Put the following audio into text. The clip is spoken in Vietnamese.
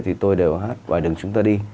thì tôi đều hát bài đừng chúng ta đi